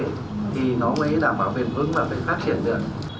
thì nó mới đảm bảo bền vững và phải phát triển được